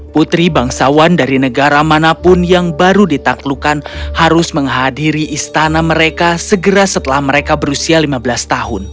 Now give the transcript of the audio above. putri bangsawan dari negara manapun yang baru ditaklukkan harus menghadiri istana mereka segera setelah mereka berusia lima belas tahun